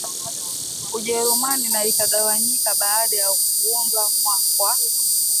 Ujerumani na ikagawanyika baada ya kuundwa kwa